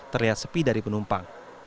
terlihat sepi dari penumpang